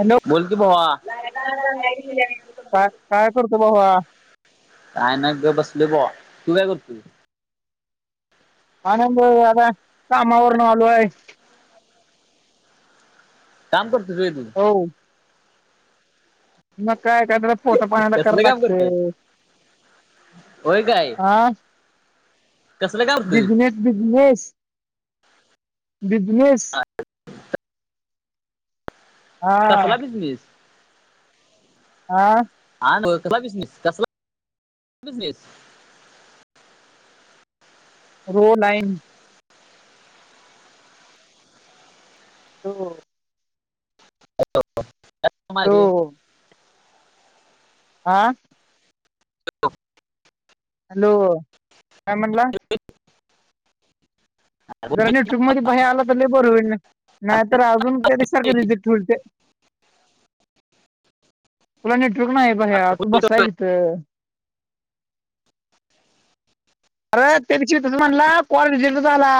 Hello बोल की भावा. काय करतो भाऊ काय नाई गप बसलोय बुआ, तू काय करतोय? आनंद आता, कामावरूनं आलोय. काम कर [unintelligible] तू. हो. मग काय [unintelligible] पोटा पाण्याला करावं कसलं काम करत्यास? लागतय होय काय? आ कसलं काम करतोय? Business, business business. हा तसला बिसमीस [unintelligible] हा ह कसला बिझनेस कसला. रो लाईन हो. हो [unintelligible] आ हॅलो, काय म्हणला? जरा न ट्रूप मध्ये, बाहेर आला तर लई बर होईल, नाही तर अजून कधी सारखे रिझल्ट होईल ते. तुला नेटवर्क नाई भैया, तू बसलाय तिथं. अर त्या दिवशी तस म्हणला कॉल रिजेक्ट झाला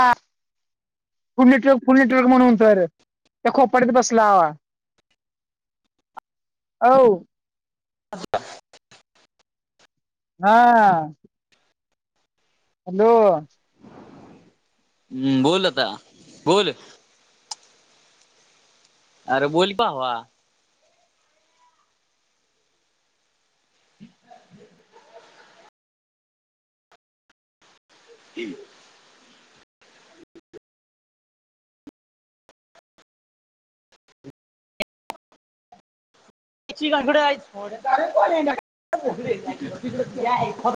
फुल्ल नेटवर्क, फुल्ल नेटवर्क, म्हणून तर त्या खोपड्यात बसला. आव [unintelligible] हा. हॅलो. हम बोल आता बोल अर बोल पा वा. ह [unintelligible] [inaudible] [unintelligible]